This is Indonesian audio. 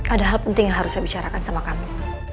ada hal penting yang harus saya bicarakan sama kami